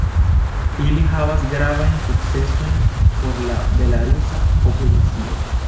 Ili havas gravajn sukcesojn por la belarusa opozicio.